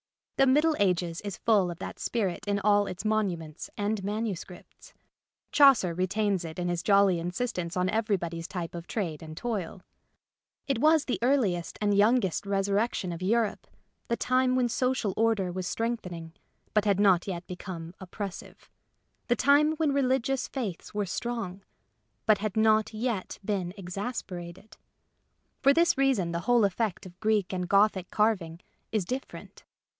The Middle Ages is full of that spirit in all its monuments and manuscripts. Chaucer retains it in his jolly insistence on everybody's type of trade and toil. It was the earliest and youngest resurrection of Europe, the time when social order was strengthening, but had not yet become oppressive ; the time when re ligious faiths were strong, but had not yet The Little Birds Who Won't Sing been exasperated. For this reason the whole effect of Greek and Gothic carving is different.